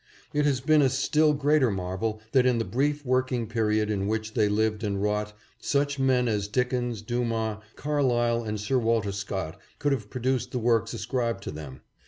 It has been a still greater marvel that in the brief working period in which they lived and wrought, such men as Dickens, Dumas, Car lyle and Sir Walter Scott could have produced the works ascribed to them.